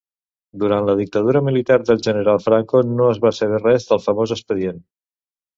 Durant la dictadura militar del general Franco no es va saber res del famós expedient.